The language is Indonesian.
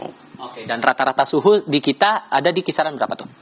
oke dan rata rata suhu di kita ada di kisaran berapa tuh